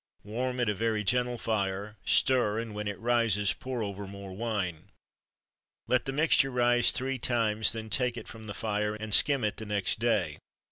Warm at a very gentle fire, stir, and when it rises, pour over more wine. Let the mixture rise three times, then take it from the fire, and skim it the next day.